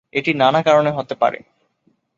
এটি নানা কারণে হতে পারে।